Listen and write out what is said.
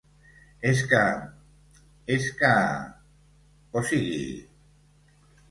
És que, és que… o sigui.